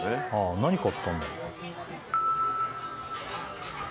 何買ったんだろう？